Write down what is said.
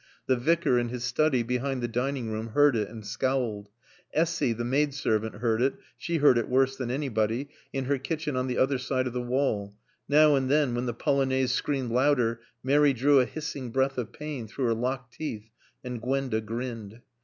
The Vicar in his study behind the dining room heard it and scowled. Essy, the maid servant, heard it, she heard it worse than anybody, in her kitchen on the other side of the wall. Now and then, when the Polonaise screamed louder, Mary drew a hissing breath of pain through her locked teeth, and Gwenda grinned.